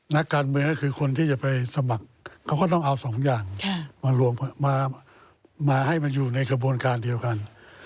นักการเมืองก็คือคนที่จะไปสมัครเขาก็ต้องเอาสองอย่างมารวมมาให้มันอยู่ในกระบวนการเดียวกัน